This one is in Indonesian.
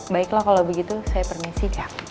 baiklah kalau begitu saya permisikan